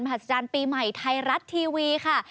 หัศจรรย์ปีใหม่ไทยรัฐทีวีค่ะ